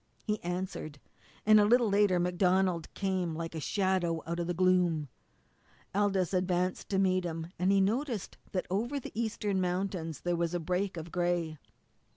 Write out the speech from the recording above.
He answered, and a little later MacDonald came like a shadow out of the gloom. Aldous advanced to meet him, and he noticed that over the eastern mountains there was a break of gray.